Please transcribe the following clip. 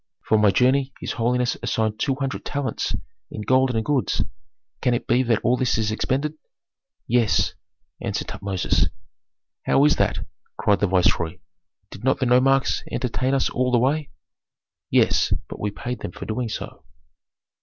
"For my journey his holiness assigned two hundred talents in gold and goods. Can it be that all this is expended?" "Yes," answered Tutmosis. "How is that?" cried the viceroy. "Did not the nomarchs entertain us all the way?" "Yes, but we paid them for doing so."